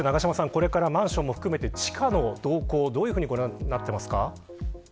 これからマンションも含めて地価の上昇どうご覧になっていますか。